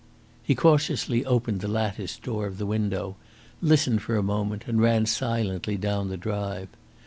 He cautiously opened the latticed door of the window, listened for a moment, and ran silently down the drive.